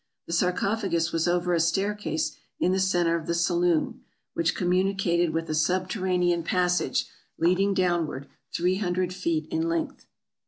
The sarcophagus was over a staircase in the center of the saloon, which communicated with a subterranean passage, leading downward, three hun dred feet in length.